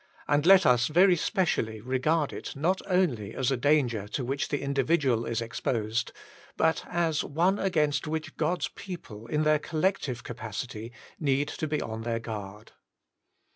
And let us very speci ally regard it not only as a danger to which the individual is exposed, but as one against which God's people, in their collective capacity, need to be on their guard.